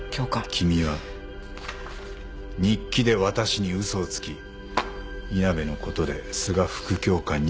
君は日記で私に嘘をつき稲辺のことで須賀副教官にも嘘をついた。